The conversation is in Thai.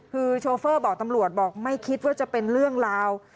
คือโชเฟอร์บอกตำรวจบอกไม่คิดว่าจะเป็นเรื่องราว